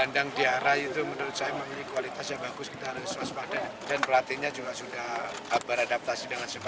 jadi harus saya artis